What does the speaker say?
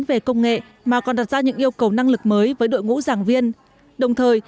về công nghệ mà còn đặt ra những yêu cầu năng lực mới với đội ngũ giảng viên đồng thời